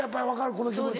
この気持ち。